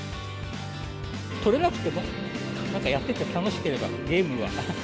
取れなくても、なんかやってて楽しければゲームは。